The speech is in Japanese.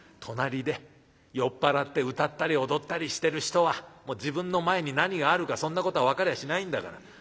隣で酔っ払って歌ったり踊ったりしてる人は自分の前に何があるかそんなことは分かりゃしないんだから。